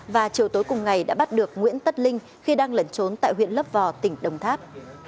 và chiều tối cùng ngày đã bắt được nguyễn tất linh khi đang lẩn trốn tại huyện lấp vò tỉnh đồng tháp